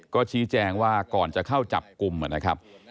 ก็ชี้แจงว่าก่อนจะเข้าจับกลุ่มนะครับ